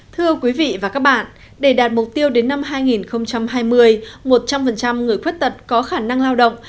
thưa quý vị và các bạn để đạt mục tiêu đến năm hai nghìn hai mươi một trăm linh người khuyết tật có khả năng lao động